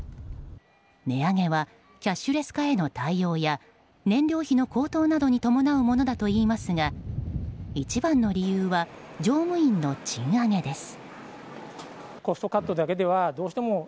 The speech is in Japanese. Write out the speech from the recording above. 値上げはキャッシュレス化への対応や燃料費の高騰などに伴うものだといいますが一番の理由は乗務員の賃上げです。